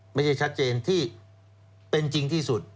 ไม่ใช่ชัดเจนที่เป็นจริงที่สุด